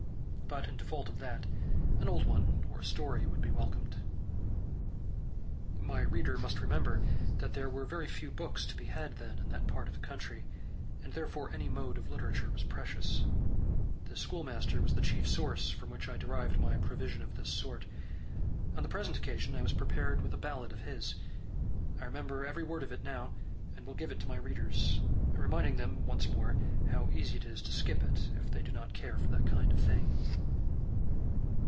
But in default of that, an old one or a story would be welcomed. My reader must remember that there were very few books to be had then in that part of the country, and therefore any mode of literature was precious. The schoolmaster was the chief source from which I derived my provision of this sort. On the present occasion, I was prepared with a ballad of his. I remember every word of it now, and will give it to my readers, reminding them once more how easy it is to skip it, if they do not care for that kind of thing.